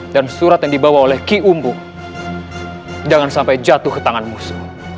dan surat yang dibawa oleh ki umbu jangan sampai jatuh ke tangan musuh